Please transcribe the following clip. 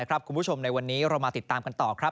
คุณผู้ชมในวันนี้เรามาติดตามกันต่อครับ